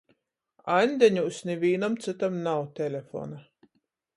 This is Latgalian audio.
"Aņdeņūs" nivīnam cytam nav telefona.